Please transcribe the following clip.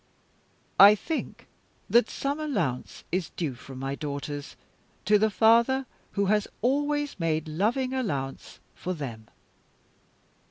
I think that some allowance is due from my daughters to the father who has always made loving allowance for them.